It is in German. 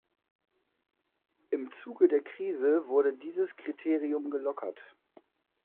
Im Zuge der Krise wurde dieses Kriterium gelockert.